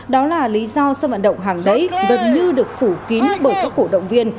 đó là lý do sân vận động hàng đẩy gần như được phủ kín bởi các cổ động viên